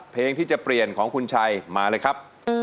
เพลงที่จะเปลี่ยนของคุณชัยมาเลยครับ